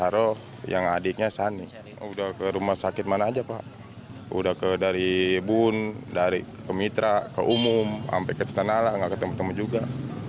rumah sakit mana aja pak udah ke dari bun ke mitra ke umum sampai ke cetan ala gak ketemu temu juga